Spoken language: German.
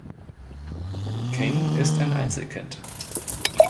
King ist ein Einzelkind.